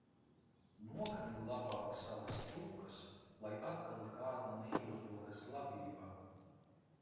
Nogani labāk savas cūkas, lai atkal kāda neiezogas labībā!